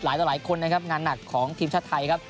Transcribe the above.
ต่อหลายคนนะครับงานหนักของทีมชาติไทยครับ